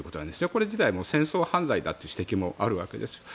これ自体、戦争犯罪だという指摘もあるわけです。